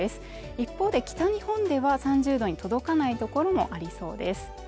一方で北日本では３０度に届かない所もありそうです